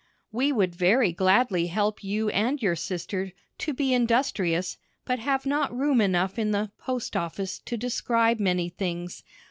We would very gladly help you and your sister "to be industrious," but have not room enough in the "Post Office" to describe many things.